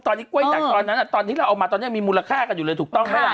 ตอนนี้กล้วยดักตอนนั้นตอนที่เราเอามาตอนนี้มีมูลค่ากันอยู่เลยถูกต้องไหมล่ะ